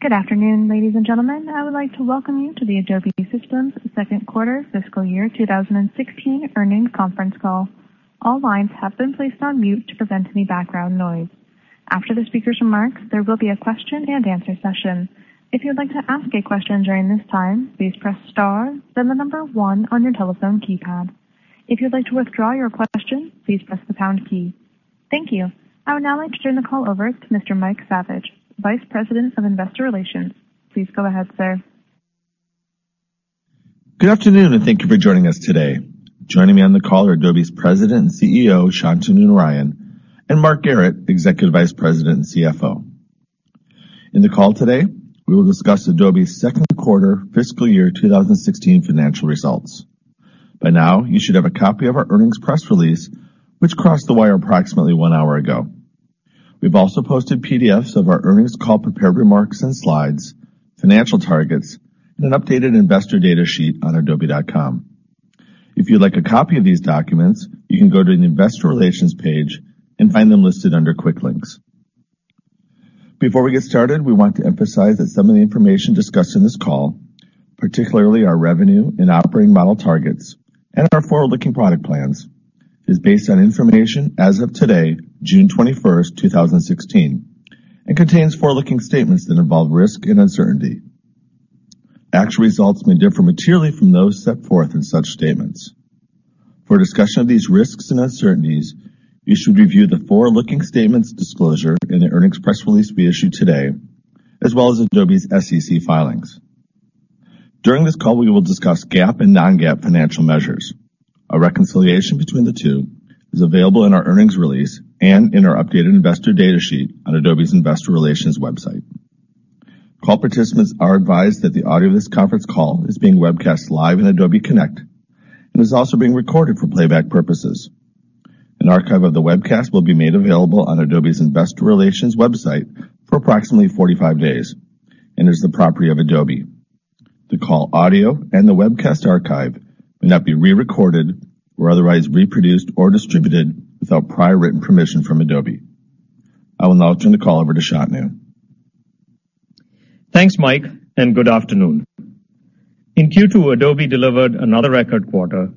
Good afternoon, ladies and gentlemen. I would like to welcome you to the Adobe Systems second quarter fiscal year 2016 earnings conference call. All lines have been placed on mute to prevent any background noise. After the speaker's remarks, there will be a question-and-answer session. If you would like to ask a question during this time, please press star then the number one on your telephone keypad. If you'd like to withdraw your question, please press the pound key. Thank you. I would now like to turn the call over to Mr. Mike Saviage, Vice President of Investor Relations. Please go ahead, sir. Good afternoon, and thank you for joining us today. Joining me on the call are Adobe's President and CEO, Shantanu Narayen, and Mark Garrett, Executive Vice President and CFO. In the call today, we will discuss Adobe's second quarter fiscal year 2016 financial results. By now, you should have a copy of our earnings press release, which crossed the wire approximately one hour ago. We've also posted PDFs of our earnings call prepared remarks and slides, financial targets, and an updated investor data sheet on adobe.com. If you'd like a copy of these documents, you can go to the Investor Relations page and find them listed under Quick Links. Before we get started, we want to emphasize that some of the information discussed on this call, particularly our revenue and operating model targets and our forward-looking product plans, is based on information as of today, June 21st, 2016, and contains forward-looking statements that involve risk and uncertainty. Actual results may differ materially from those set forth in such statements. For a discussion of these risks and uncertainties, you should review the forward-looking statements disclosure in the earnings press release we issued today, as well as Adobe's SEC filings. During this call, we will discuss GAAP and non-GAAP financial measures. A reconciliation between the two is available in our earnings release and in our updated investor data sheet on Adobe's Investor Relations website. Call participants are advised that the audio of this conference call is being webcast live on Adobe Connect and is also being recorded for playback purposes. An archive of the webcast will be made available on Adobe's Investor Relations website for approximately 45 days and is the property of Adobe. The call audio and the webcast archive may not be re-recorded or otherwise reproduced or distributed without prior written permission from Adobe. I will now turn the call over to Shantanu. Thanks, Mike, and good afternoon. In Q2, Adobe delivered another record quarter,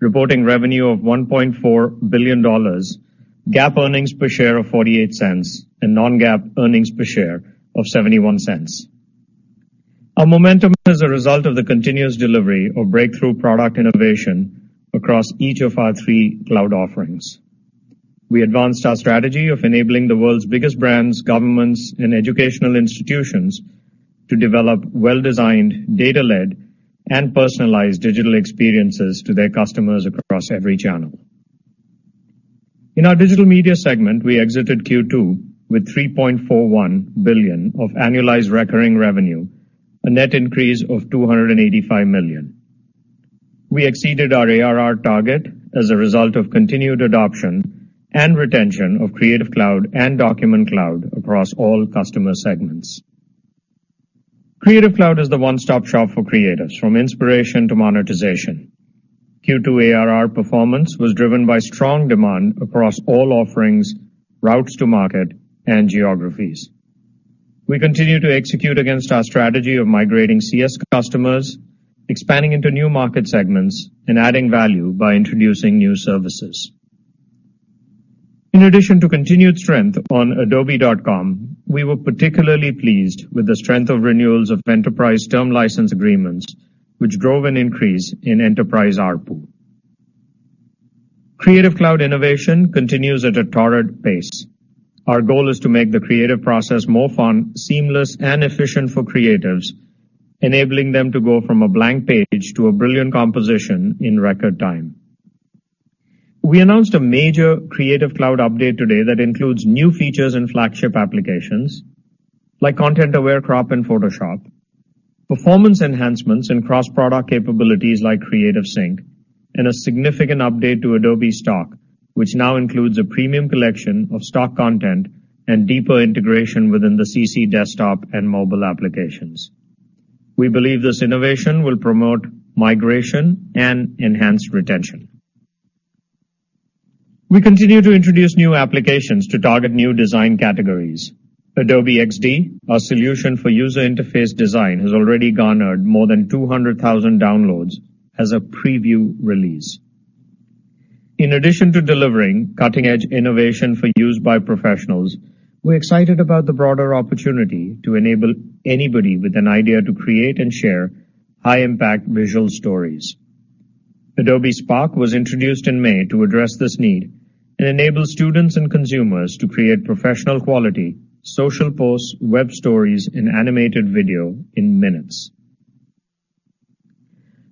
reporting revenue of $1.4 billion, GAAP earnings per share of $0.48 and non-GAAP earnings per share of $0.71. Our momentum is a result of the continuous delivery of breakthrough product innovation across each of our three cloud offerings. We advanced our strategy of enabling the world's biggest brands, governments, and educational institutions to develop well-designed, data-led, and personalized digital experiences to their customers across every channel. In our Digital Media segment, we exited Q2 with $3.41 billion of annualized recurring revenue, a net increase of $285 million. We exceeded our ARR target as a result of continued adoption and retention of Creative Cloud and Document Cloud across all customer segments. Creative Cloud is the one-stop shop for creatives, from inspiration to monetization. Q2 ARR performance was driven by strong demand across all offerings, routes to market, and geographies. We continue to execute against our strategy of migrating CS customers, expanding into new market segments, and adding value by introducing new services. In addition to continued strength on adobe.com, we were particularly pleased with the strength of renewals of enterprise term license agreements, which drove an increase in enterprise ARPU. Creative Cloud innovation continues at a torrid pace. Our goal is to make the creative process more fun, seamless, and efficient for creatives, enabling them to go from a blank page to a brilliant composition in record time. We announced a major Creative Cloud update today that includes new features and flagship applications like Content-Aware Crop in Photoshop, performance enhancements in cross-product capabilities like CreativeSync, and a significant update to Adobe Stock, which now includes a premium collection of stock content and deeper integration within the CC desktop and mobile applications. We believe this innovation will promote migration and enhance retention. We continue to introduce new applications to target new design categories. Adobe XD, our solution for user interface design, has already garnered more than 200,000 downloads as a preview release. In addition to delivering cutting-edge innovation for use by professionals, we are excited about the broader opportunity to enable anybody with an idea to create and share high-impact visual stories. Adobe Spark was introduced in May to address this need and enable students and consumers to create professional-quality social posts, web stories, and animated video in minutes.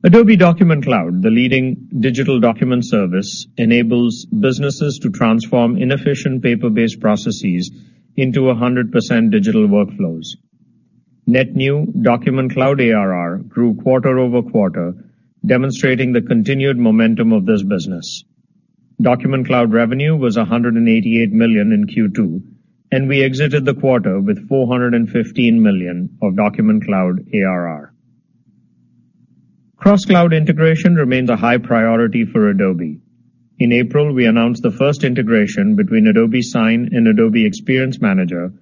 Adobe Document Cloud, the leading digital document service, enables businesses to transform inefficient paper-based processes into 100% digital workflows. Net new Document Cloud ARR grew quarter-over-quarter, demonstrating the continued momentum of this business. Document Cloud revenue was $188 million in Q2, and we exited the quarter with $415 million of Document Cloud ARR. Cross-cloud integration remains a high priority for Adobe. In April, we announced the first integration between Adobe Sign and Adobe Experience Manager,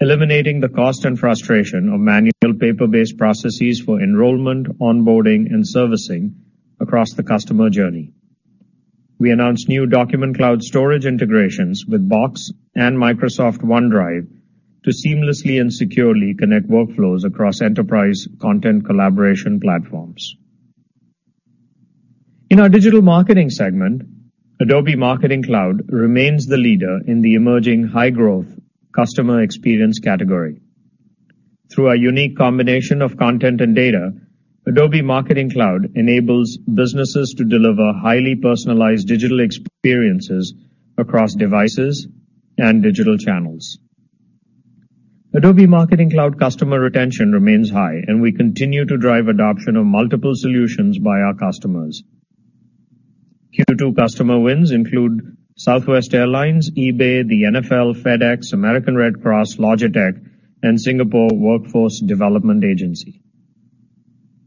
eliminating the cost and frustration of manual paper-based processes for enrollment, onboarding, and servicing across the customer journey. We announced new Document Cloud storage integrations with Box and Microsoft OneDrive to seamlessly and securely connect workflows across enterprise content collaboration platforms. In our Digital Marketing segment, Adobe Marketing Cloud remains the leader in the emerging high-growth customer experience category. Through a unique combination of content and data, Adobe Marketing Cloud enables businesses to deliver highly personalized digital experiences across devices and digital channels. Adobe Marketing Cloud customer retention remains high, and we continue to drive adoption of multiple solutions by our customers. Q2 customer wins include Southwest Airlines, eBay, the NFL, FedEx, American Red Cross, Logitech, and Singapore Workforce Development Agency.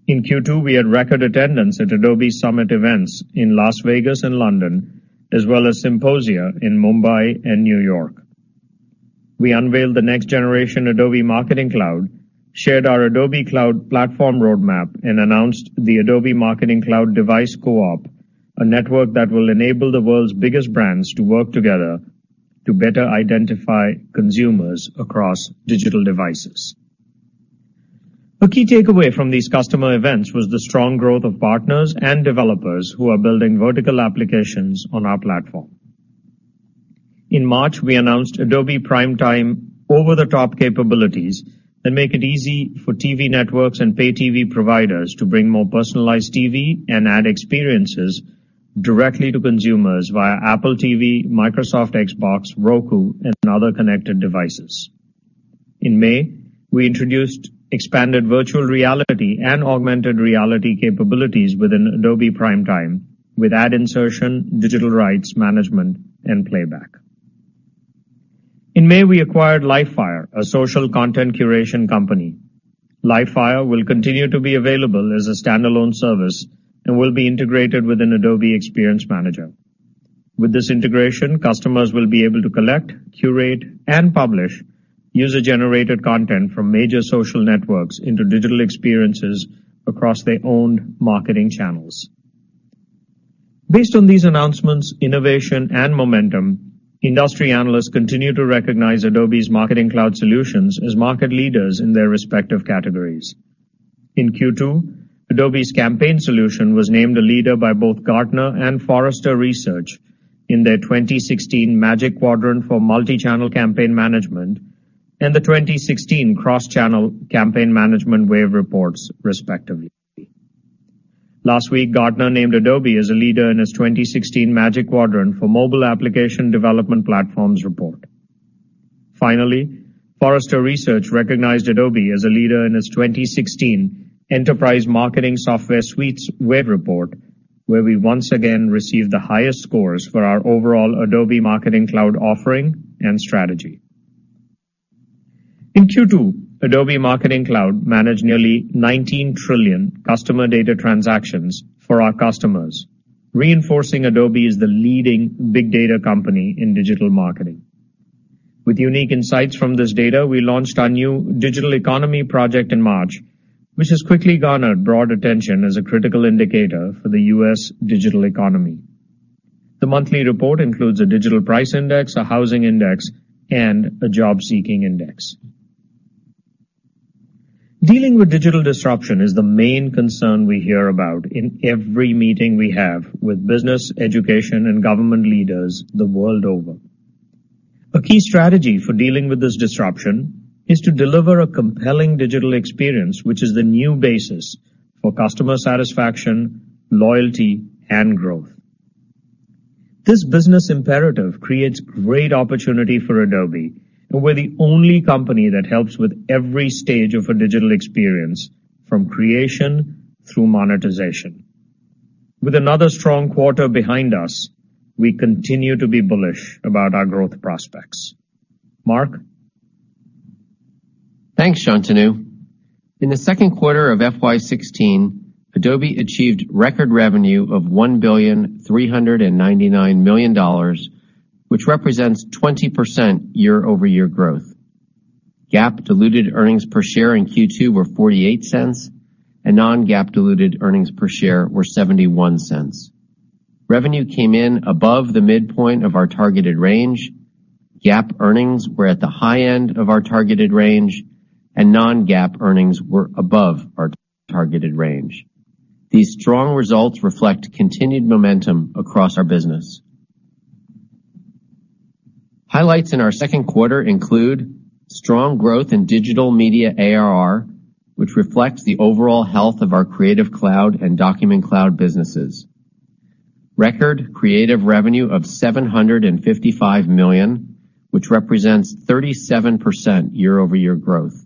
In Q2, we had record attendance at Adobe Summit events in Las Vegas and London, as well as symposia in Mumbai and New York. We unveiled the next-generation Adobe Marketing Cloud, shared our Adobe Cloud Platform roadmap, and announced the Adobe Marketing Cloud Device Co-op, a network that will enable the world's biggest brands to work together to better identify consumers across digital devices. A key takeaway from these customer events was the strong growth of partners and developers who are building vertical applications on our platform. In March, we announced Adobe Primetime over-the-top capabilities that make it easy for TV networks and pay TV providers to bring more personalized TV and ad experiences directly to consumers via Apple TV, Microsoft Xbox, Roku, and other connected devices. In May, we introduced expanded virtual reality and augmented reality capabilities within Adobe Primetime with ad insertion, digital rights management, and playback. In May, we acquired Livefyre, a social content curation company. Livefyre will continue to be available as a standalone service and will be integrated within Adobe Experience Manager. With this integration, customers will be able to collect, curate, and publish user-generated content from major social networks into digital experiences across their own marketing channels. Based on these announcements, innovation, and momentum, industry analysts continue to recognize Adobe's Marketing Cloud solutions as market leaders in their respective categories. In Q2, Adobe's campaign solution was named a leader by both Gartner and Forrester Research in their 2016 Magic Quadrant for Multichannel Campaign Management and the 2016 Cross-Channel Campaign Management Wave reports, respectively. Last week, Gartner named Adobe as a leader in its 2016 Magic Quadrant for Mobile Application Development Platforms report. Finally, Forrester Research recognized Adobe as a leader in its 2016 Enterprise Marketing Software Suites Wave report, where we once again received the highest scores for our overall Adobe Marketing Cloud offering and strategy. In Q2, Adobe Marketing Cloud managed nearly 19 trillion customer data transactions for our customers, reinforcing Adobe as the leading big data company in digital marketing. With unique insights from this data, we launched our new Adobe Digital Economy Project in March, which has quickly garnered broad attention as a critical indicator for the U.S. digital economy. The monthly report includes a Digital Price Index, a housing index, and a job-seeking index. Dealing with digital disruption is the main concern we hear about in every meeting we have with business, education, and government leaders the world over. A key strategy for dealing with this disruption is to deliver a compelling digital experience, which is the new basis for customer satisfaction, loyalty, and growth. This business imperative creates great opportunity for Adobe, and we're the only company that helps with every stage of a digital experience, from creation through monetization. With another strong quarter behind us, we continue to be bullish about our growth prospects. Mark? Thanks, Shantanu. In the second quarter of FY 2016, Adobe achieved record revenue of $1,399,000,000, which represents 20% year-over-year growth. GAAP diluted earnings per share in Q2 were $0.48, and non-GAAP diluted earnings per share were $0.71. Revenue came in above the midpoint of our targeted range. GAAP earnings were at the high end of our targeted range, and non-GAAP earnings were above our targeted range. These strong results reflect continued momentum across our business. Highlights in our second quarter include strong growth in digital media ARR, which reflects the overall health of our Creative Cloud and Document Cloud businesses. Record creative revenue of $755 million, which represents 37% year-over-year growth.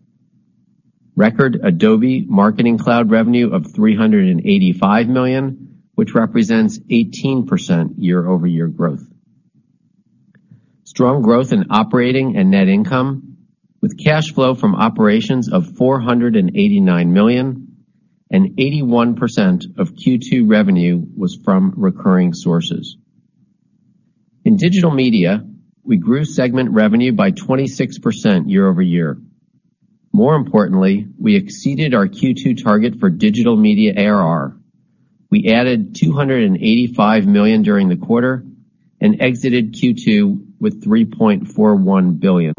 Record Adobe Marketing Cloud revenue of $385 million, which represents 18% year-over-year growth. Strong growth in operating and net income, with cash flow from operations of $489 million. 81% of Q2 revenue was from recurring sources. In digital media, we grew segment revenue by 26% year-over-year. More importantly, we exceeded our Q2 target for digital media ARR. We added $285 million during the quarter and exited Q2 with $3.41 billion.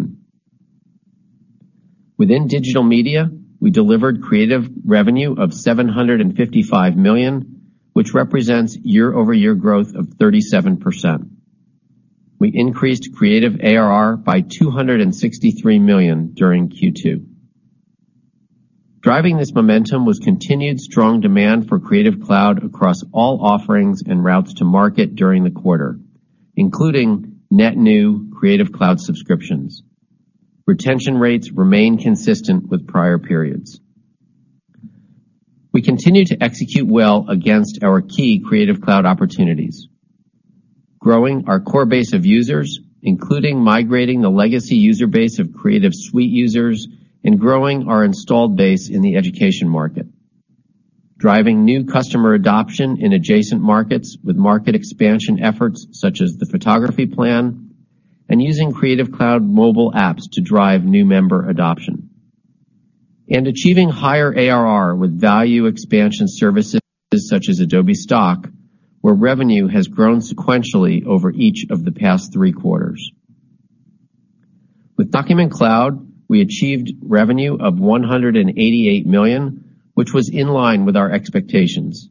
Within digital media, we delivered creative revenue of $755 million, which represents year-over-year growth of 37%. We increased creative ARR by $263 million during Q2. Driving this momentum was continued strong demand for Creative Cloud across all offerings and routes to market during the quarter, including net new Creative Cloud subscriptions. Retention rates remain consistent with prior periods. We continue to execute well against our key Creative Cloud opportunities, growing our core base of users, including migrating the legacy user base of Creative Suite users and growing our installed base in the education market, driving new customer adoption in adjacent markets with market expansion efforts such as the photography plan, and using Creative Cloud mobile apps to drive new member adoption. Achieving higher ARR with value expansion services such as Adobe Stock, where revenue has grown sequentially over each of the past three quarters. With Document Cloud, we achieved revenue of $188 million, which was in line with our expectations.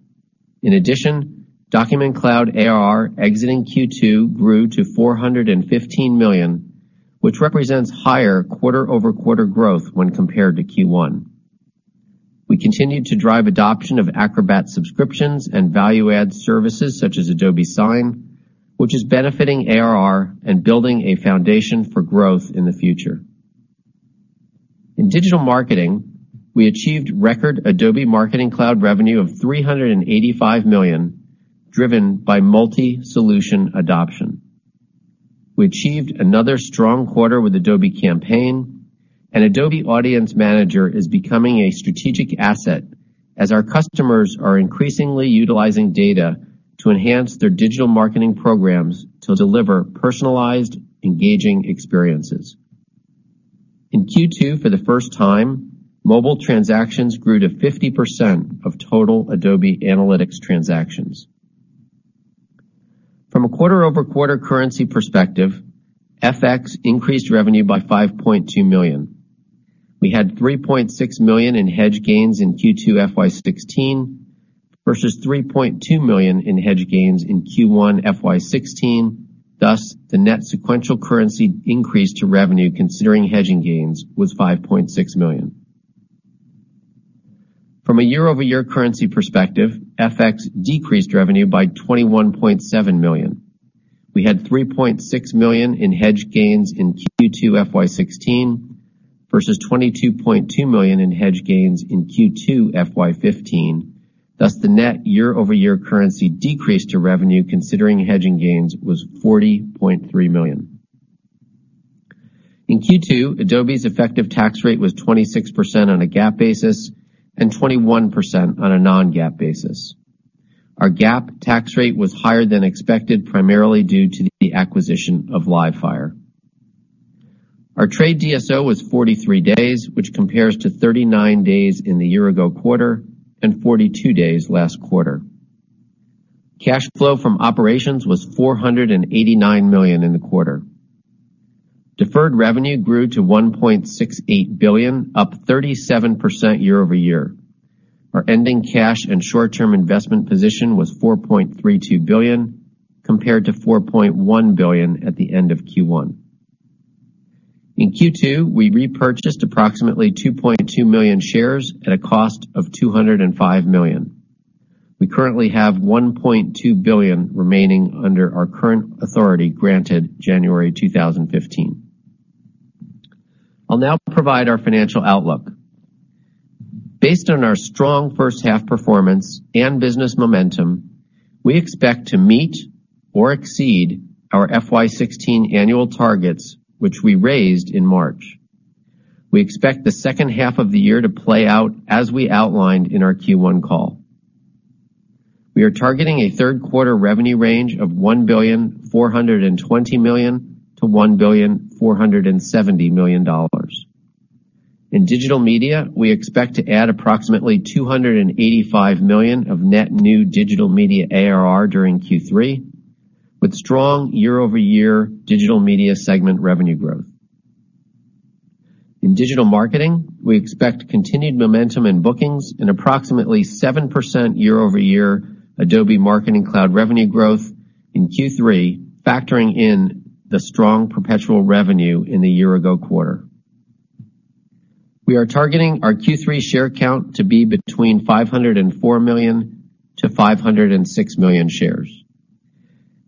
In addition, Document Cloud ARR exiting Q2 grew to $415 million, which represents higher quarter-over-quarter growth when compared to Q1. We continued to drive adoption of Acrobat subscriptions and value-add services such as Adobe Sign, which is benefiting ARR and building a foundation for growth in the future. In digital marketing, we achieved record Adobe Marketing Cloud revenue of $385 million, driven by multi-solution adoption. We achieved another strong quarter with Adobe Campaign. Adobe Audience Manager is becoming a strategic asset as our customers are increasingly utilizing data to enhance their digital marketing programs to deliver personalized, engaging experiences. In Q2, for the first time, mobile transactions grew to 50% of total Adobe Analytics transactions. From a quarter-over-quarter currency perspective, FX increased revenue by $5.2 million. We had $3.6 million in hedge gains in Q2 FY 2016 versus $3.2 million in hedge gains in Q1 FY 2016. Thus, the net sequential currency increase to revenue considering hedging gains was $5.6 million. From a year-over-year currency perspective, FX decreased revenue by $21.7 million. We had $3.6 million in hedge gains in Q2 FY 2016 versus $22.2 million in hedge gains in Q2 FY 2015. The net year-over-year currency decrease to revenue considering hedging gains was $40.3 million. In Q2, Adobe's effective tax rate was 26% on a GAAP basis and 21% on a non-GAAP basis. Our GAAP tax rate was higher than expected, primarily due to the acquisition of Livefyre. Our trade DSO was 43 days, which compares to 39 days in the year-ago quarter and 42 days last quarter. Cash flow from operations was $489 million in the quarter. Deferred revenue grew to $1.68 billion, up 37% year-over-year. Our ending cash and short-term investment position was $4.32 billion, compared to $4.1 billion at the end of Q1. In Q2, we repurchased approximately 2.2 million shares at a cost of $205 million. We currently have $1.2 billion remaining under our current authority granted January 2015. I'll now provide our financial outlook. Based on our strong first half performance and business momentum, we expect to meet or exceed our FY 2016 annual targets, which we raised in March. We expect the second half of the year to play out as we outlined in our Q1 call. We are targeting a third quarter revenue range of $1,420,000,000-$1,470,000,000. In digital media, we expect to add approximately $285 million of net new digital media ARR during Q3, with strong year-over-year digital media segment revenue growth. In digital marketing, we expect continued momentum in bookings and approximately 7% year-over-year Adobe Marketing Cloud revenue growth in Q3, factoring in the strong perpetual revenue in the year-ago quarter. We are targeting our Q3 share count to be between 504 million to 506 million shares.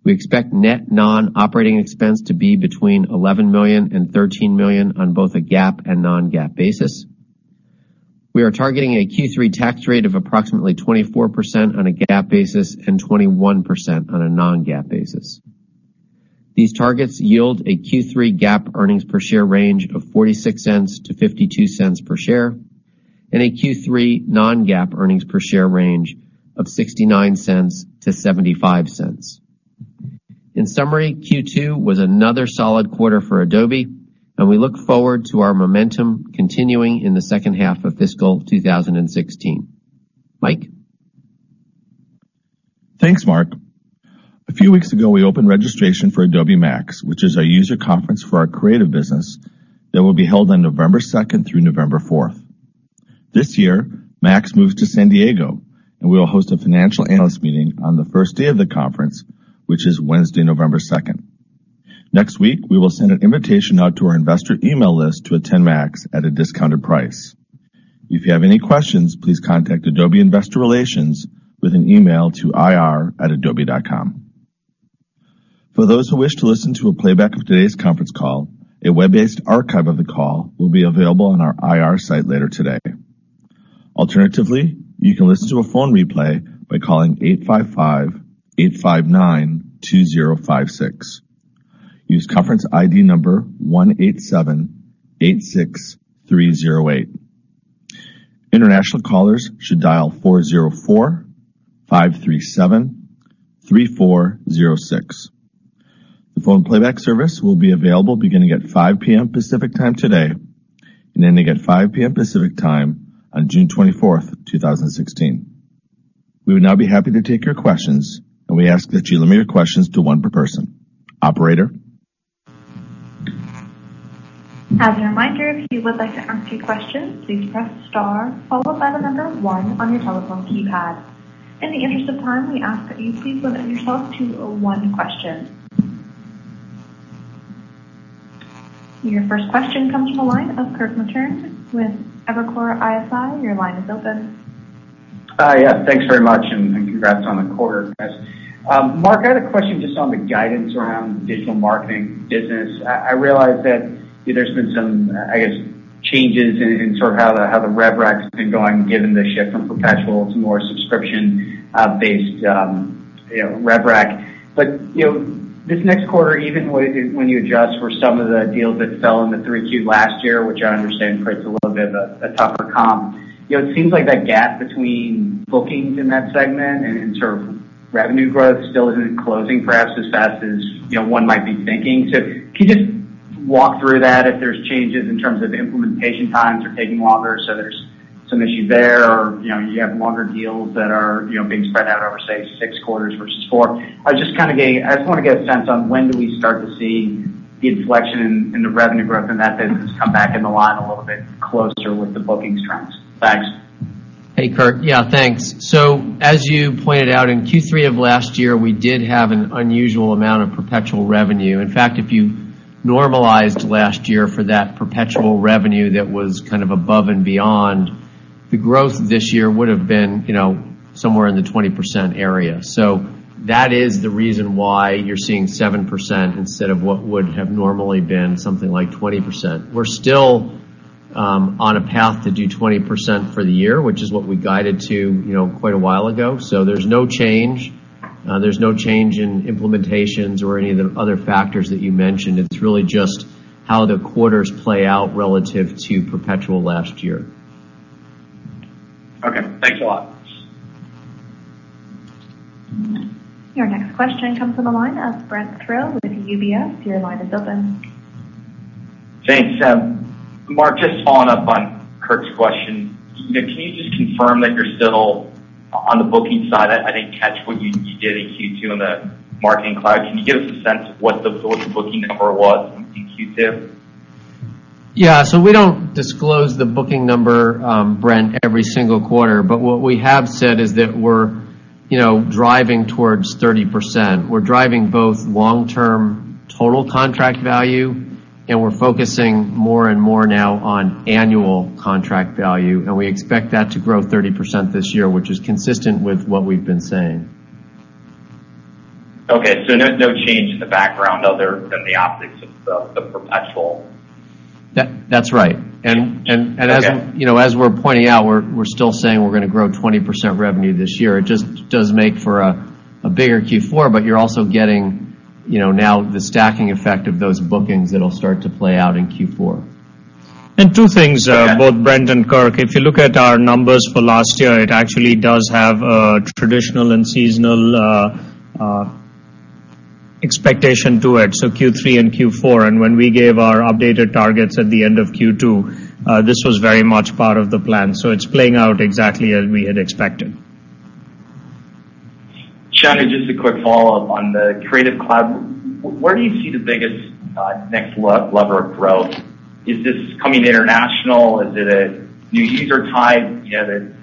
We expect net non-operating expense to be between $11 million and $13 million on both a GAAP and non-GAAP basis. We are targeting a Q3 tax rate of approximately 24% on a GAAP basis and 21% on a non-GAAP basis. These targets yield a Q3 GAAP earnings per share range of $0.46-$0.52 per share and a Q3 non-GAAP earnings per share range of $0.69-$0.75. In summary, Q2 was another solid quarter for Adobe, and we look forward to our momentum continuing in the second half of fiscal 2016. Mike? Thanks, Mark. A few weeks ago, we opened registration for Adobe MAX, which is our user conference for our creative business that will be held on November 2nd through November 4th. This year, MAX moves to San Diego, and we will host a financial analyst meeting on the first day of the conference, which is Wednesday, November 2nd. Next week, we will send an invitation out to our investor email list to attend MAX at a discounted price. If you have any questions, please contact Adobe Investor Relations with an email to ir@adobe.com. For those who wish to listen to a playback of today's conference call, a web-based archive of the call will be available on our IR site later today. Alternatively, you can listen to a phone replay by calling 855-859-2056. Use conference ID number 18786308. International callers should dial 404-537-3406. The phone playback service will be available beginning at 5:00 P.M. Pacific Time today and ending at 5:00 P.M. Pacific Time on June 24, 2016. We would now be happy to take your questions. We ask that you limit your questions to one per person. Operator? As a reminder, if you would like to ask a question, please press star 1 on your telephone keypad. In the interest of time, we ask that you please limit yourself to one question. Your first question comes from the line of Kirk Materne with Evercore ISI. Your line is open. Thanks very much. Congrats on the quarter, guys. Mark, I had a question just on the guidance around Digital Marketing business. I realize that there's been some, I guess, changes in sort of how the rev rec has been going, given the shift from perpetual to more subscription-based rev rec. This next quarter, even when you adjust for some of the deals that fell in Q3 last year, which I understand creates a little bit of a tougher comp. It seems like that gap between bookings in that segment and sort of revenue growth still isn't closing perhaps as fast as one might be thinking. Can you just walk through that if there's changes in terms of implementation times are taking longer, so there's some issue there or you have longer deals that are being spread out over, say, six quarters versus four. I just want to get a sense on when do we start to see the inflection in the revenue growth in that business come back in the line a little bit closer with the bookings trends. Thanks. Hey, Kirk. Yeah, thanks. As you pointed out in Q3 of last year, we did have an unusual amount of perpetual revenue. In fact, if you normalized last year for that perpetual revenue that was kind of above and beyond, the growth this year would have been somewhere in the 20% area. That is the reason why you're seeing 7% instead of what would have normally been something like 20%. We're still on a path to do 20% for the year, which is what we guided to quite a while ago. There's no change. There's no change in implementations or any of the other factors that you mentioned. It's really just how the quarters play out relative to perpetual last year. Okay. Thanks a lot. Your next question comes from the line of Brent Thill with UBS. Your line is open. Thanks. Mark, just following up on Kirk's question. Can you just confirm that you're still on the booking side? I didn't catch what you did in Q2 on the Marketing Cloud. Can you give us a sense of what the booking number was in Q2? Yeah. We don't disclose the booking number, Brent, every single quarter. What we have said is that we're driving towards 30%. We're driving both long-term total contract value, and we're focusing more and more now on annual contract value, and we expect that to grow 30% this year, which is consistent with what we've been saying. Okay. No change in the background other than the optics of the perpetual. That's right. Okay. As we're pointing out, we're still saying we're going to grow 20% revenue this year. It just does make for a bigger Q4, you're also getting now the stacking effect of those bookings that'll start to play out in Q4. Two things, both Brent and Kirk. If you look at our numbers for last year, it actually does have a traditional and seasonal expectation to it. Q3 and Q4. When we gave our updated targets at the end of Q2, this was very much part of the plan. It's playing out exactly as we had expected. Shantanu, just a quick follow-up on the Creative Cloud. Where do you see the biggest next lever of growth? Is this coming international? Is it a new user type? The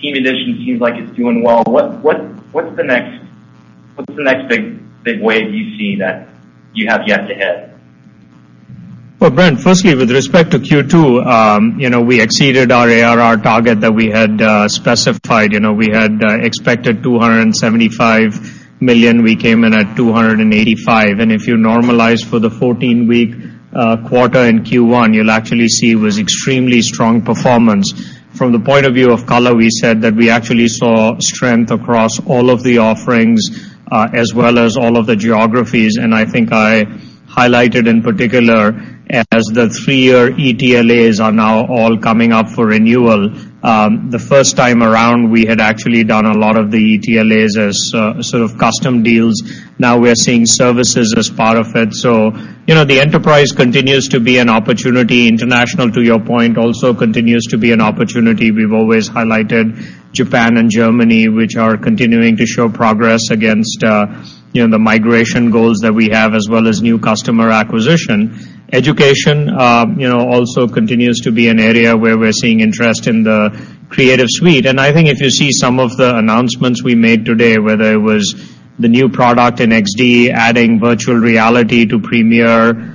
Team edition seems like it's doing well. What's the next big wave you see that you have yet to hit? Brent, firstly, with respect to Q2, we exceeded our ARR target that we had specified. We had expected $275 million. We came in at $285 million. If you normalize for the 14-week quarter in Q1, you'll actually see it was extremely strong performance. From the point of view of color, we said that we actually saw strength across all of the offerings as well as all of the geographies. I think I highlighted in particular as the three-year ETLAs are now all coming up for renewal. The first time around, we had actually done a lot of the ETLAs as sort of custom deals. Now we are seeing services as part of it. The enterprise continues to be an opportunity. International, to your point, also continues to be an opportunity. We've always highlighted Japan and Germany, which are continuing to show progress against the migration goals that we have as well as new customer acquisition. Education also continues to be an area where we're seeing interest in the Creative Suite. I think if you see some of the announcements we made today, whether it was the new product in XD, adding virtual reality to Premiere Pro,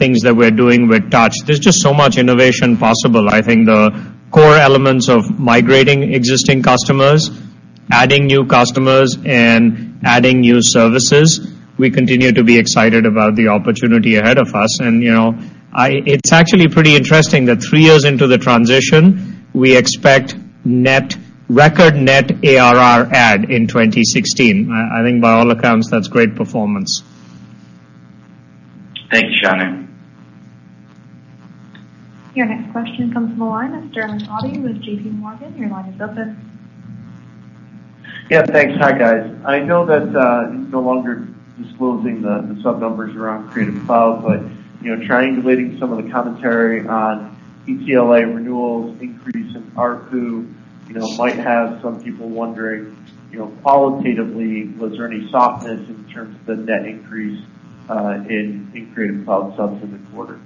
things that we're doing with Touch, there's just so much innovation possible. I think the core elements of migrating existing customers, adding new customers, and adding new services, we continue to be excited about the opportunity ahead of us. It's actually pretty interesting that three years into the transition, we expect record net ARR add in 2016. I think by all accounts, that's great performance. Thanks, Shantanu. Your next question comes from the line of Sterling Auty with JPMorgan. Your line is open. Yeah, thanks. Hi, guys. I know that you're no longer disclosing the sub numbers around Creative Cloud, but triangulating some of the commentary on ETLA renewals increase in ARPU might have some people wondering, qualitatively, was there any softness in terms of the net increase in Creative Cloud subs in the quarter?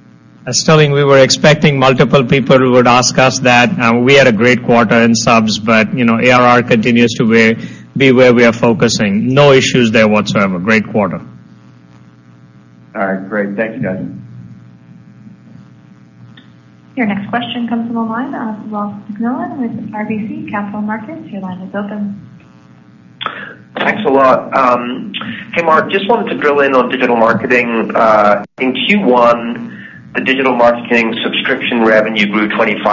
As Sterling, we were expecting multiple people who would ask us that. We had a great quarter in subs, but ARR continues to be where we are focusing. No issues there whatsoever. Great quarter. All right, great. Thank you, guys. Your next question comes from the line of Ross MacMillan with RBC Capital Markets. Your line is open. Thanks a lot. Hey, Mark, just wanted to drill in on digital marketing. In Q1, the digital marketing subscription revenue grew 25%,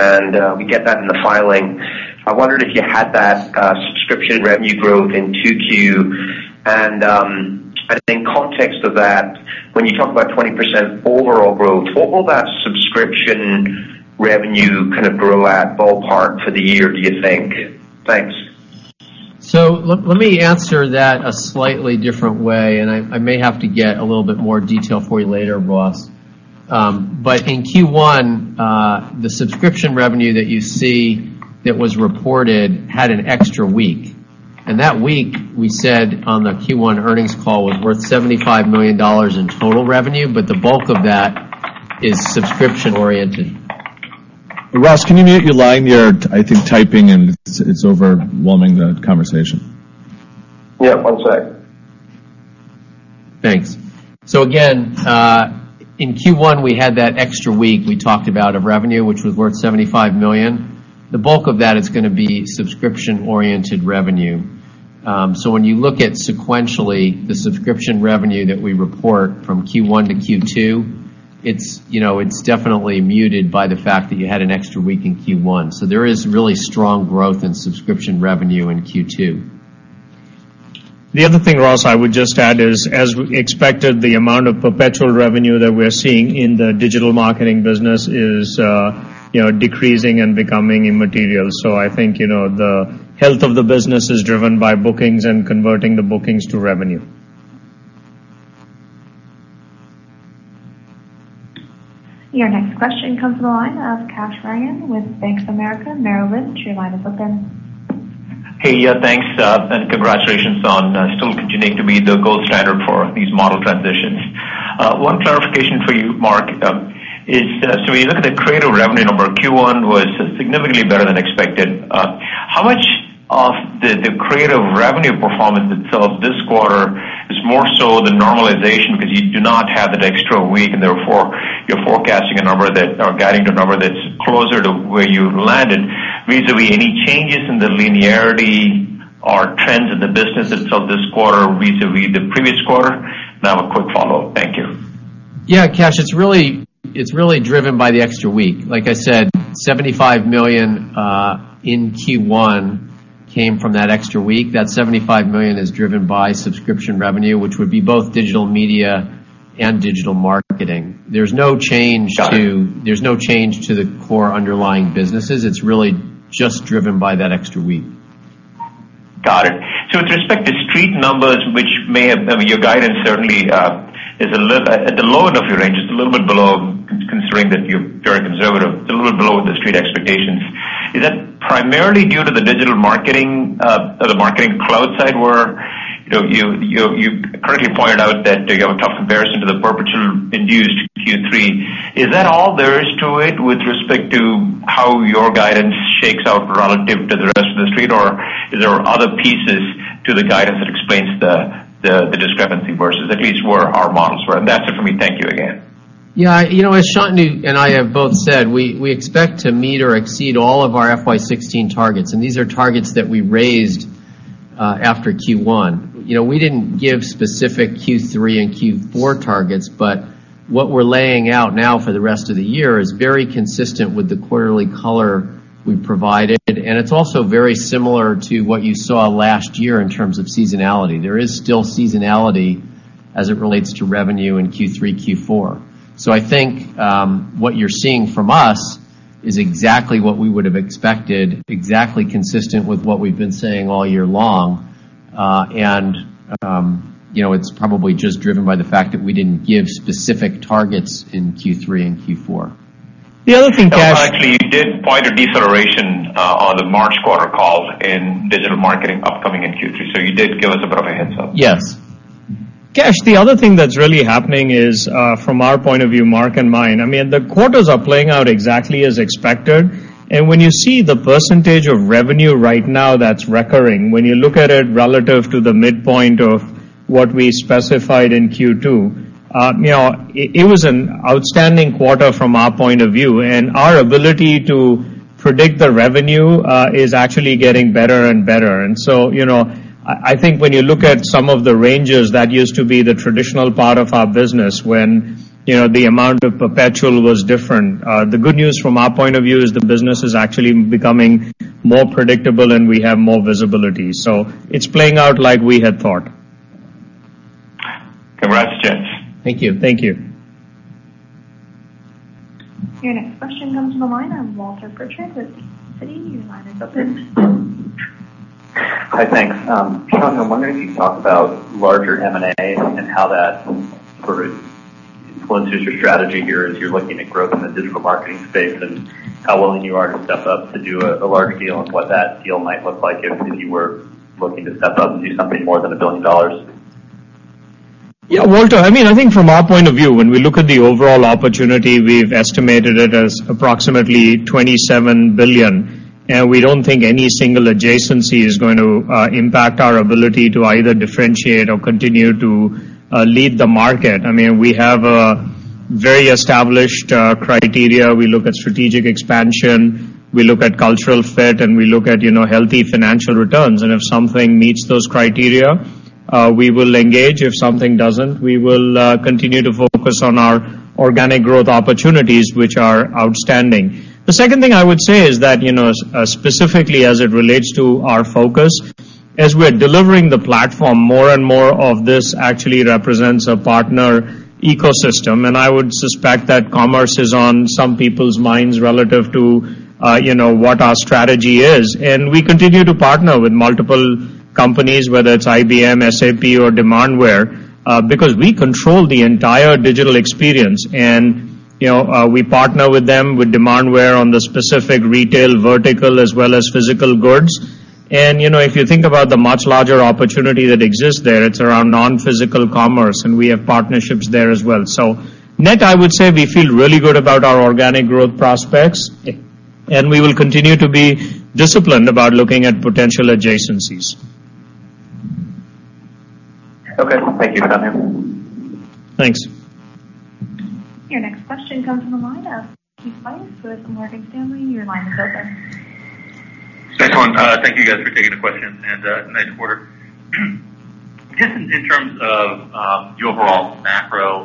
and we get that in the filing. I wondered if you had that subscription revenue growth in 2Q. In context of that, when you talk about 20% overall growth, what will that subscription revenue kind of grow at ballpark for the year, do you think? Thanks. Let me answer that a slightly different way, and I may have to get a little bit more detail for you later, Ross. In Q1, the subscription revenue that you see that was reported had an extra week. That week, we said on the Q1 earnings call, was worth $75 million in total revenue, but the bulk of that is subscription-oriented. Ross, can you mute your line? You're, I think, typing, and it's overwhelming the conversation. Yeah, one sec. Thanks. Again, in Q1, we had that extra week we talked about of revenue, which was worth $75 million. The bulk of that is going to be subscription-oriented revenue. When you look at sequentially the subscription revenue that we report from Q1 to Q2, it's definitely muted by the fact that you had an extra week in Q1. There is really strong growth in subscription revenue in Q2. The other thing, Ross, I would just add is, as expected, the amount of perpetual revenue that we're seeing in the Digital Marketing business is decreasing and becoming immaterial. I think the health of the business is driven by bookings and converting the bookings to revenue. Your next question comes from the line of Kash Rangan with Bank of America Merrill Lynch. Your line is open. Hey. Yeah, thanks. Congratulations on still continuing to be the gold standard for these model transitions. One clarification for you, Mark, is when you look at the creative revenue number, Q1 was significantly better than expected. How much of the creative revenue performance itself this quarter is more so the normalization because you do not have that extra week, therefore you're forecasting a number that, or guiding the number that's closer to where you landed. Vis-a-vis any changes in the linearity or trends in the business itself this quarter vis-a-vis the previous quarter? I have a quick follow-up. Thank you. Yeah, Kash, it's really driven by the extra week. Like I said, $75 million in Q1 came from that extra week. That $75 million is driven by subscription revenue, which would be both digital media and digital marketing. There's no change to- Got it There's no change to the core underlying businesses. It's really just driven by that extra week. Got it. With respect to Street numbers, which may have, I mean, your guidance certainly is at the lower end of your range. It's a little bit below, considering that you're very conservative, a little bit below the Street expectations. Is that primarily due to the digital marketing, the Adobe Marketing Cloud side, where you correctly pointed out that you have a tough comparison to the perpetual in Q3. Is that all there is to it with respect to how your guidance shakes out relative to the rest of the Street, or is there other pieces to the guidance that explains the discrepancy versus at least where our models were. That's it for me. Thank you again. Yeah. As Shantanu and I have both said, we expect to meet or exceed all of our FY 2016 targets. These are targets that we raised after Q1. What we're laying out now for the rest of the year is very consistent with the quarterly color we provided. It's also very similar to what you saw last year in terms of seasonality. There is still seasonality as it relates to revenue in Q3, Q4. I think what you're seeing from us is exactly what we would have expected, exactly consistent with what we've been saying all year long. It's probably just driven by the fact that we didn't give specific targets in Q3 and Q4. The other thing, Kash. Actually, you did point a deceleration on the March quarter call in digital marketing upcoming in Q3, so you did give us a bit of a heads up. Yes. Kash, the other thing that's really happening is, from our point of view, Mark and mine, the quarters are playing out exactly as expected. When you see the percentage of revenue right now that's recurring, when you look at it relative to the midpoint of what we specified in Q2, it was an outstanding quarter from our point of view. Our ability to predict the revenue is actually getting better and better. I think when you look at some of the ranges that used to be the traditional part of our business when the amount of perpetual was different, the good news from our point of view is the business is actually becoming more predictable, and we have more visibility. It's playing out like we had thought. Congrats, gents. Thank you. Thank you. Your next question comes from the line of Walter Pritchard with Citi. Your line is open. Hi. Thanks. Shantanu, I'm wondering if you talk about larger M&A and how that sort of influences your strategy here as you're looking at growth in the digital marketing space, and how willing you are to step up to do a larger deal and what that deal might look like if you were looking to step up and do something more than $1 billion. Yeah, Walter. I think from our point of view, when we look at the overall opportunity, we've estimated it as approximately $27 billion, and we don't think any single adjacency is going to impact our ability to either differentiate or continue to lead the market. We have a very established criteria. We look at strategic expansion, we look at cultural fit, and we look at healthy financial returns. If something meets those criteria, we will engage. If something doesn't, we will continue to focus on our organic growth opportunities, which are outstanding. The second thing I would say is that, specifically as it relates to our focus, as we're delivering the platform, more and more of this actually represents a partner ecosystem, and I would suspect that commerce is on some people's minds relative to what our strategy is. We continue to partner with multiple companies, whether it's IBM, SAP, or Demandware, because we control the entire digital experience. We partner with them, with Demandware on the specific retail vertical as well as physical goods. If you think about the much larger opportunity that exists there, it's around non-physical commerce, and we have partnerships there as well. Net, I would say we feel really good about our organic growth prospects, and we will continue to be disciplined about looking at potential adjacencies. Okay. Thank you, Shantanu. Thanks. Your next question comes from the line of Keith Weiss with Morgan Stanley. Your line is open. Thanks. Thank you guys for taking the questions, nice quarter. Just in terms of the overall macro,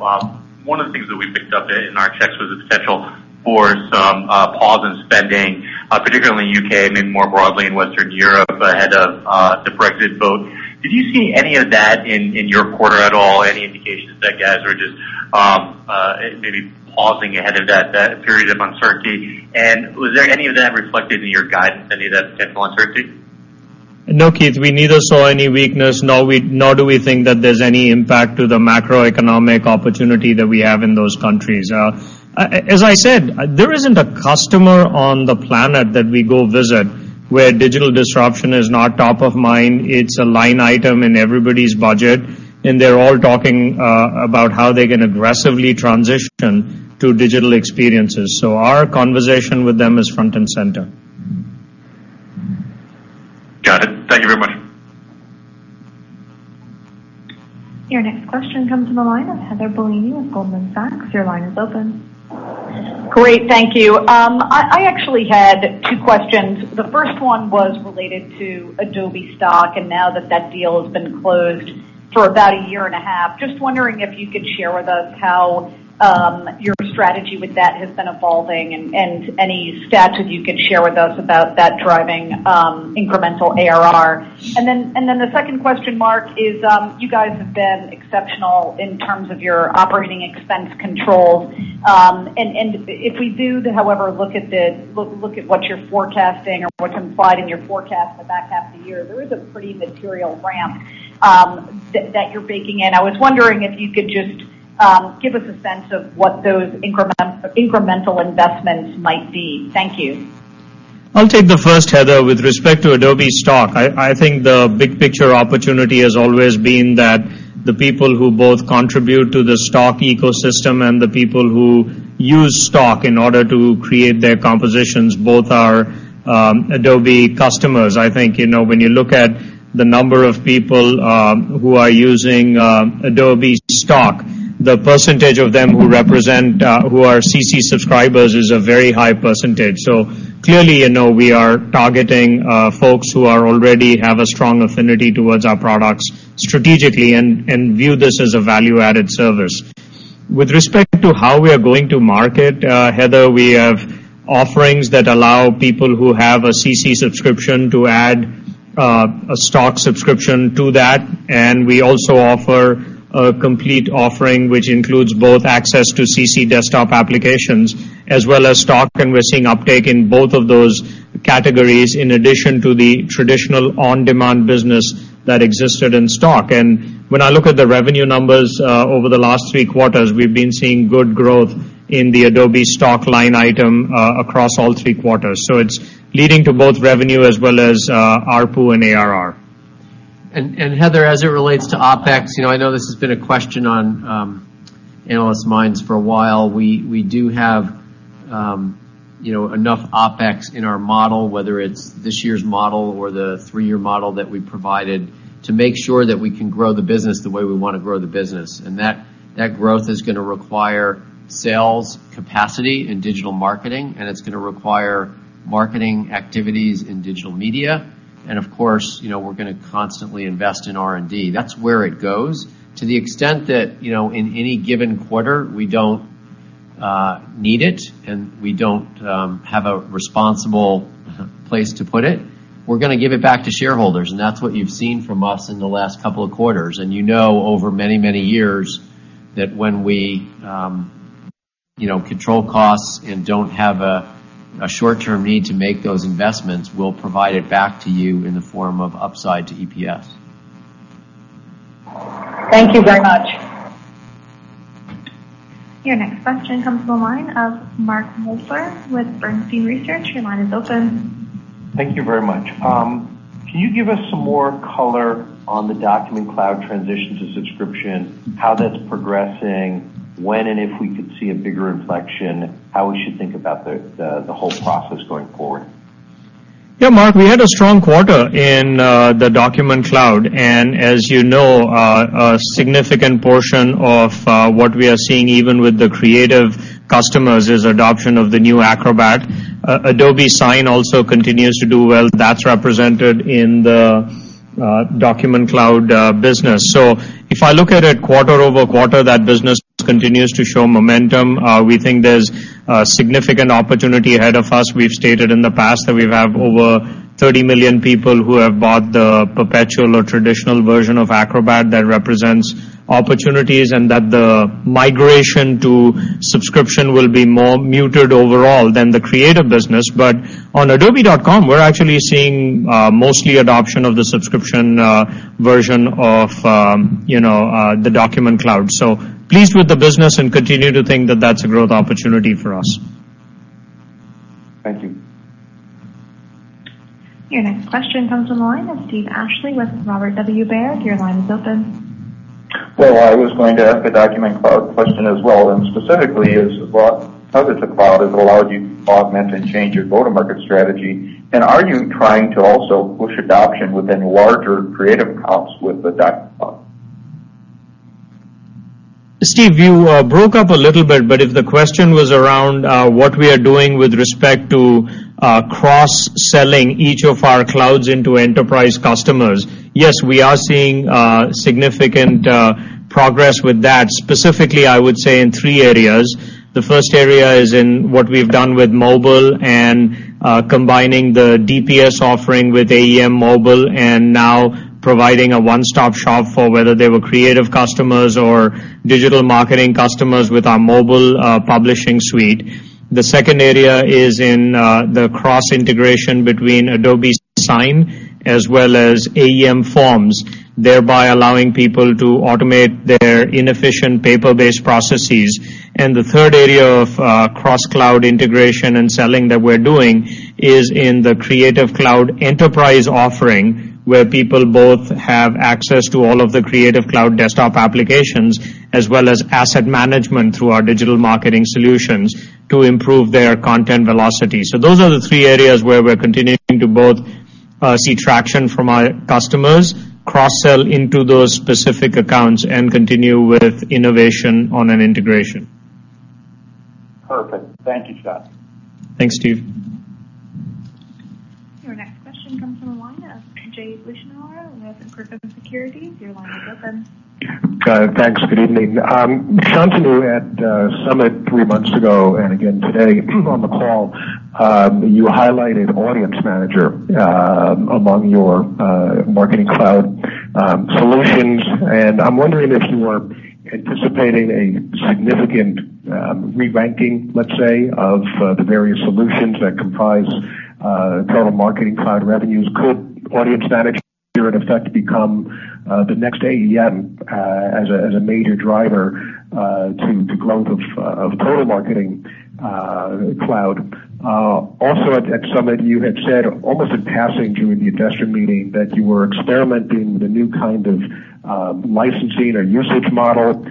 one of the things that we picked up in our checks was the potential for some pause in spending, particularly in the U.K., maybe more broadly in Western Europe ahead of the Brexit vote. Did you see any of that in your quarter at all? Any indications that guys were just maybe pausing ahead of that period of uncertainty? Was there any of that reflected in your guidance, any of that potential uncertainty? No, Keith, we neither saw any weakness, nor do we think that there's any impact to the macroeconomic opportunity that we have in those countries. As I said, there isn't a customer on the planet that we go visit where digital disruption is not top of mind. It's a line item in everybody's budget, and they're all talking about how they can aggressively transition to digital experiences. Our conversation with them is front and center. Got it. Thank you very much. Your next question comes from the line of Heather Bellini with Goldman Sachs. Your line is open. Great. Thank you. I actually had two questions. The first one was related to Adobe Stock, and now that deal has been closed for about a year and a half. Just wondering if you could share with us how your strategy with that has been evolving and any stats that you could share with us about that driving incremental ARR. The second question, Mark, is you guys have been exceptional in terms of your operating expense controls. If we do, however, look at what you're forecasting or what's implied in your forecast for the back half of the year, there is a pretty material ramp that you're baking in. I was wondering if you could just give us a sense of what those incremental investments might be. Thank you. I'll take the first, Heather. With respect to Adobe Stock, I think the big picture opportunity has always been that the people who both contribute to the Stock ecosystem and the people who use Stock in order to create their compositions, both are Adobe customers. I think when you look at the number of people who are using Adobe Stock, the percentage of them who are CC subscribers is a very high %. Clearly, we are targeting folks who already have a strong affinity towards our products strategically and view this as a value-added service. With respect to how we are going to market, Heather, we have offerings that allow people who have a CC subscription to add a Stock subscription to that. We also offer a complete offering, which includes both access to CC desktop applications as well as Stock. We're seeing uptake in both of those categories, in addition to the traditional on-demand business that existed in Stock. When I look at the revenue numbers over the last three quarters, we've been seeing good growth in the Adobe Stock line item across all three quarters. It's leading to both revenue as well as ARPU and ARR. Heather, as it relates to OpEx, I know this has been a question on analysts' minds for a while. We do have enough OpEx in our model, whether it's this year's model or the three-year model that we provided, to make sure that we can grow the business the way we want to grow the business. That growth is going to require sales capacity in digital marketing, and it's going to require marketing activities in digital media. Of course, we're going to constantly invest in R&D. That's where it goes. To the extent that, in any given quarter, we don't need it and we don't have a responsible place to put it, we're going to give it back to shareholders, and that's what you've seen from us in the last couple of quarters. You know over many, many years that when we control costs and don't have a short-term need to make those investments, we'll provide it back to you in the form of upside to EPS. Thank you very much. Your next question comes from the line of Mark Moerdler with Bernstein Research. Your line is open. Thank you very much. Can you give us some more color on the Document Cloud transition to subscription, how that's progressing, when and if we could see a bigger inflection, how we should think about the whole process going forward? Yeah, Mark, we had a strong quarter in the Document Cloud. As you know, a significant portion of what we are seeing, even with the Creative customers, is adoption of the new Acrobat. Adobe Sign also continues to do well. That's represented in the Document Cloud business. If I look at it quarter-over-quarter, that business continues to show momentum. We think there's a significant opportunity ahead of us. We've stated in the past that we have over 30 million people who have bought the perpetual or traditional version of Acrobat that represents opportunities, and that the migration to subscription will be more muted overall than the Creative business. On adobe.com, we're actually seeing mostly adoption of the subscription version of the Document Cloud. Pleased with the business and continue to think that that's a growth opportunity for us. Thank you. Your next question comes from the line of Steven Ashley with Robert W. Baird. Your line is open. Well, I was going to ask a Document Cloud question as well, specifically, as well as how the cloud has allowed you to augment and change your go-to-market strategy. Are you trying to also push adoption within larger Creative accounts with the Doc Cloud? Steve, you broke up a little bit, if the question was around what we are doing with respect to cross-selling each of our clouds into enterprise customers, yes, we are seeing significant progress with that. Specifically, I would say in three areas. The first area is in what we've done with mobile and combining the DPS offering with AEM Mobile and now providing a one-stop shop for whether they were Creative customers or digital marketing customers with our mobile publishing suite. The second area is in the cross-integration between Adobe Sign as well as AEM Forms, thereby allowing people to automate their inefficient paper-based processes. The third area of cross-cloud integration and selling that we're doing is in the Creative Cloud Enterprise offering, where people both have access to all of the Creative Cloud desktop applications, as well as asset management through our digital marketing solutions to improve their content velocity. Those are the three areas where we're continuing to both see traction from our customers, cross-sell into those specific accounts, and continue with innovation on an integration. Perfect. Thank you, Shantanu. Thanks, Steve. Your next question comes from the line of Jay Vleeschhouwer with Griffin Securities. Your line is open. Thanks. Good evening. Shantanu, at Summit 3 months ago, again today on the call, you highlighted Audience Manager among your Marketing Cloud solutions. I'm wondering if you are anticipating a significant re-ranking, let's say, of the various solutions that comprise total Marketing Cloud revenues. Could Audience Manager, in effect, become the next AEM as a major driver to growth of total Marketing Cloud. Also at Summit, you had said almost in passing during the investor meeting that you were experimenting with a new kind of licensing or usage model,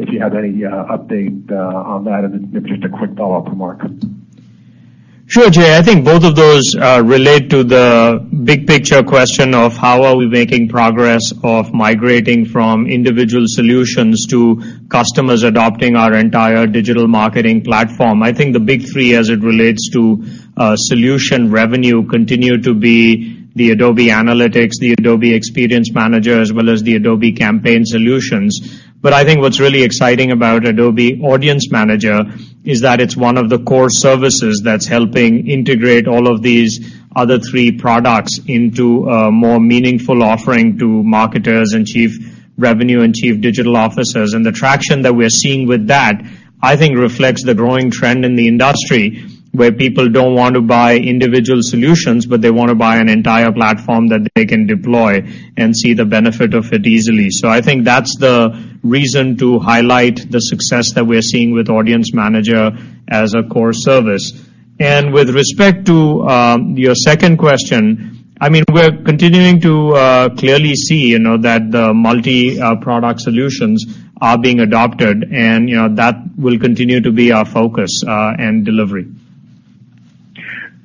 if you have any update on that. Then maybe just a quick follow-up to Mark. Sure, Jay. I think both of those relate to the big picture question of how are we making progress of migrating from individual solutions to customers adopting our entire digital marketing platform. I think the big three as it relates to solution revenue continue to be the Adobe Analytics, the Adobe Experience Manager, as well as the Adobe Campaign solutions. I think what's really exciting about Adobe Audience Manager is that it's one of the core services that's helping integrate all of these other 3 products into a more meaningful offering to marketers and chief revenue and chief digital officers. The traction that we're seeing with that, I think reflects the growing trend in the industry, where people don't want to buy individual solutions, but they want to buy an entire platform that they can deploy and see the benefit of it easily. I think that's the reason to highlight the success that we're seeing with Audience Manager as a core service. With respect to your second question, we're continuing to clearly see that the multi-product solutions are being adopted and that will continue to be our focus and delivery.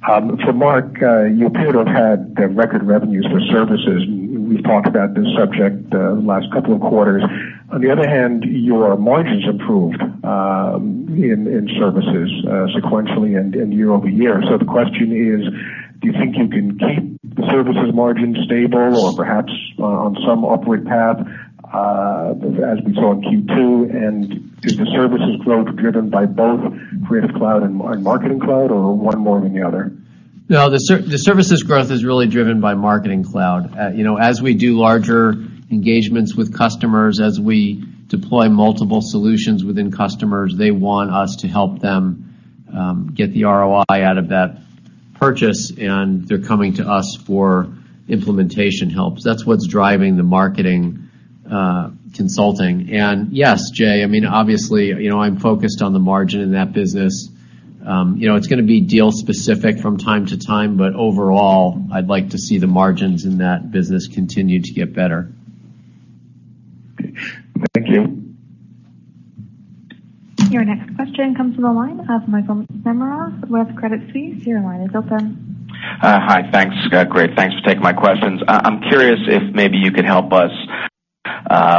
For Mark, you appear to have had record revenues for services. We've talked about this subject the last couple of quarters. On the other hand, your margins improved in services sequentially and year-over-year. The question is, do you think you can keep the services margin stable or perhaps on some upward path as we saw in Q2? Is the services growth driven by both Creative Cloud and Marketing Cloud, or one more than the other? No, the services growth is really driven by Marketing Cloud. As we do larger engagements with customers, as we deploy multiple solutions within customers, they want us to help them get the ROI out of that purchase, and they're coming to us for implementation help. That's what's driving the marketing consulting. Yes, Jay, obviously, I'm focused on the margin in that business. It's going to be deal specific from time to time, but overall, I'd like to see the margins in that business continue to get better. Okay. Thank you. Your next question comes from the line of Michael Nemeroff with Credit Suisse. Your line is open. Hi. Thanks, Scott. Great. Thanks for taking my questions. I'm curious if maybe you could help us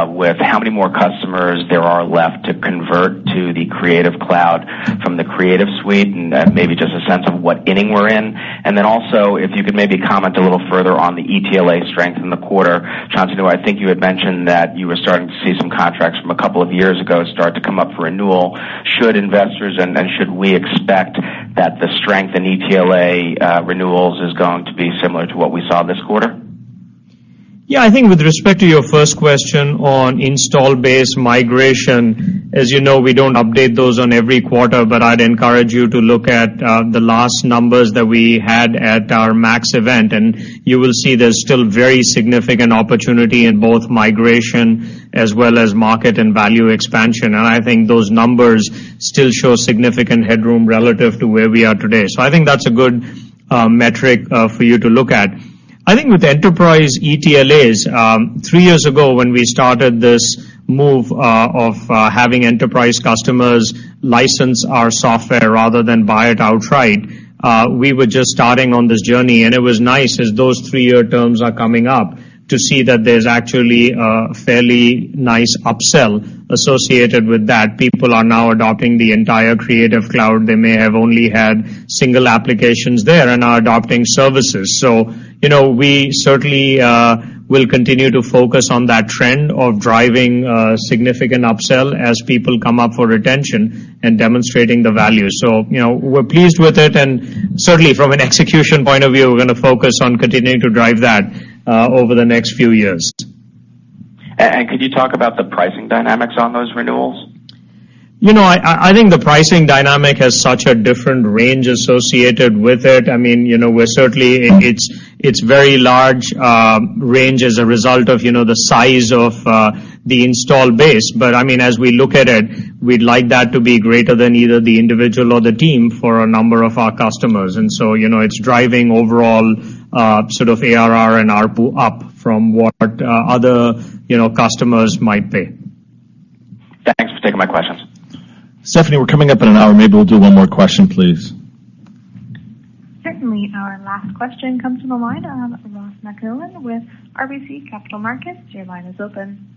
with how many more customers there are left to convert to the Creative Cloud from the Creative Suite, and maybe just a sense of what inning we're in. Then also, if you could maybe comment a little further on the ETLA strength in the quarter. Shantanu, I think you had mentioned that you were starting to see some contracts from a couple of years ago start to come up for renewal. Should investors and should we expect that the strength in ETLA renewals is going to be similar to what we saw this quarter? Yeah, I think with respect to your first question on install base migration, as you know, we don't update those on every quarter, but I'd encourage you to look at the last numbers that we had at our MAX event, and you will see there's still very significant opportunity in both migration as well as market and value expansion. I think those numbers still show significant headroom relative to where we are today. I think that's a good metric for you to look at. I think with enterprise ETLAs, three years ago when we started this move of having enterprise customers license our software rather than buy it outright, we were just starting on this journey, and it was nice as those three-year terms are coming up to see that there's actually a fairly nice upsell associated with that. People are now adopting the entire Creative Cloud. They may have only had single applications there and are adopting services. We certainly will continue to focus on that trend of driving significant upsell as people come up for retention and demonstrating the value. We're pleased with it, and certainly from an execution point of view, we're going to focus on continuing to drive that over the next few years. Could you talk about the pricing dynamics on those renewals? I think the pricing dynamic has such a different range associated with it. Certainly, it's very large range as a result of the size of the install base. As we look at it, we'd like that to be greater than either the individual or the team for a number of our customers. So it's driving overall ARR and ARPU up from what other customers might pay. Thanks for taking my questions. Stephanie, we're coming up in an hour. Maybe we'll do one more question, please. Certainly. Our last question comes from the line of Ross MacMillan with RBC Capital Markets. Your line is open.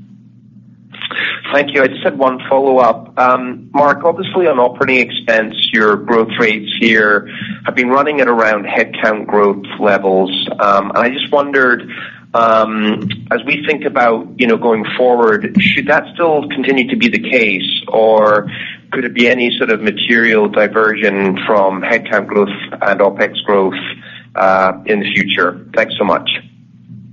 Thank you. I just had one follow-up. Mark, obviously on operating expense, your growth rates here have been running at around headcount growth levels. I just wondered, as we think about going forward, should that still continue to be the case, or could there be any sort of material diversion from headcount growth and OpEx growth in the future? Thanks so much.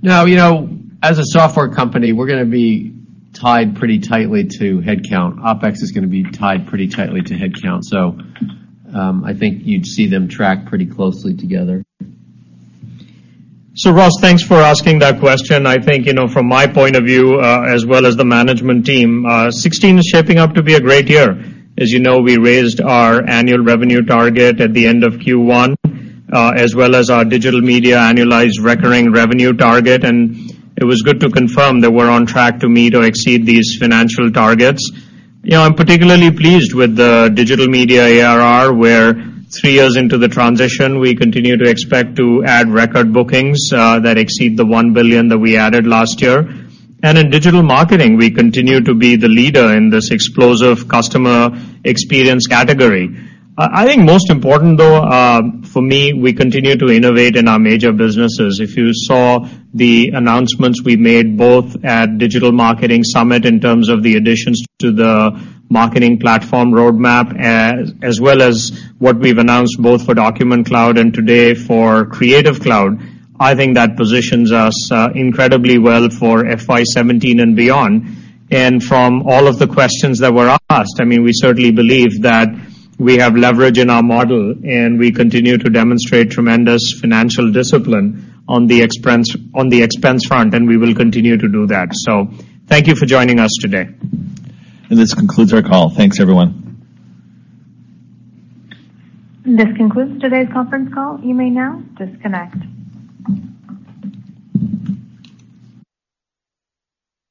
No. As a software company, we're going to be tied pretty tightly to headcount. OpEx is going to be tied pretty tightly to headcount, so I think you'd see them track pretty closely together. Ross, thanks for asking that question. I think from my point of view as well as the management team, 2016 is shaping up to be a great year. As you know, we raised our annual revenue target at the end of Q1, as well as our Digital Media annualized recurring revenue target, and it was good to confirm that we're on track to meet or exceed these financial targets. I'm particularly pleased with the Digital Media ARR, where three years into the transition, we continue to expect to add record bookings that exceed the $1 billion that we added last year. In Digital Marketing, we continue to be the leader in this explosive customer experience category. I think most important though for me, we continue to innovate in our major businesses. If you saw the announcements we made both at Digital Marketing Summit in terms of the additions to the marketing platform roadmap, as well as what we've announced both for Document Cloud and today for Creative Cloud, I think that positions us incredibly well for FY 2017 and beyond. From all of the questions that were asked, we certainly believe that we have leverage in our model, and we continue to demonstrate tremendous financial discipline on the expense front, and we will continue to do that. Thank you for joining us today. This concludes our call. Thanks, everyone. This concludes today's conference call. You may now disconnect.